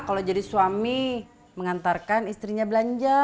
kalau jadi suami mengantarkan istrinya belanja